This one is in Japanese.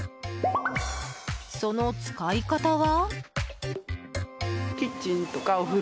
その使い方は？